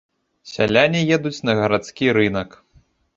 Сяляне едуць на гарадскі рынак.